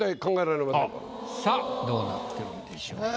さあどうなってるんでしょうか？